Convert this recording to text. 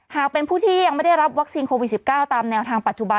หากเป็นผู้ที่ยังไม่ได้รับวัคซีนโควิด๑๙ตามแนวทางปัจจุบัน